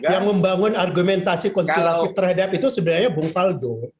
yang membangun argumentasi konspiratif terhadap itu sebenarnya bung faldo